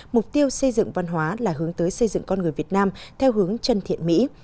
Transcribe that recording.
mục tiêu xây dựng văn hóa là hướng tới xây dựng con người việt nam theo hướng chân thiện mỹ